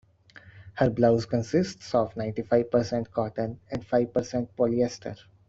Her blouse consists of ninety-five percent cotton and five percent polyester.